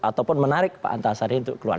ataupun menarik pak antasari untuk keluar